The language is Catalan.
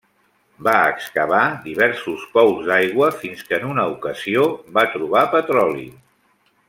Va excavar diversos pous d'aigua fins que en una ocasió va trobar petroli.